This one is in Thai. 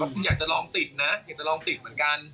คุณอยากจะลองติดนะอยากจะลองติดเหมือนกัน